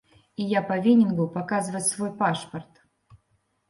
І я павінен быў паказваць свой пашпарт.